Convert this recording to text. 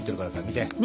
見て。